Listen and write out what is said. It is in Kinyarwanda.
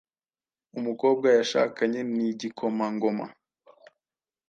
Umukobwa Yashakanye nigikomangoma